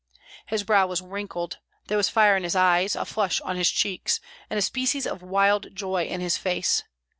His brow was wrinkled, there was fire in his eyes, a flush on his cheeks, and a species of wild joy in his face.